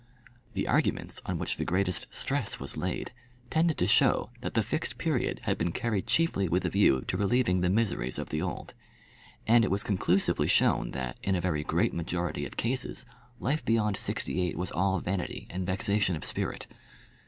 The arguments on which the greatest stress was laid tended to show that the Fixed Period had been carried chiefly with a view to relieving the miseries of the old. And it was conclusively shown that, in a very great majority of cases, life beyond sixty eight was all vanity and vexation of spirit.